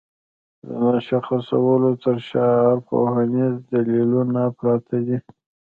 د مشخصولو تر شا ارواپوهنيز دليلونه پراته دي.